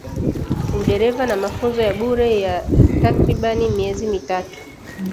udereva na mafunzo ya bure ya takriban miezi mitatu